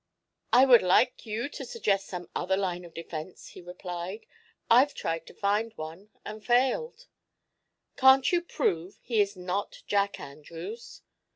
"I would like you to suggest some other line of defense," he replied. "I've tried to find one and failed." "Can't you prove he is not Jack Andrews?"